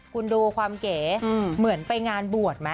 คุณดูความเก๋เหมือนไปงานบวชไหม